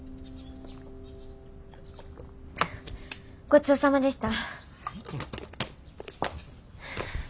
ごちそうさまでした。